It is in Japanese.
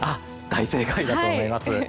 大正解だと思います。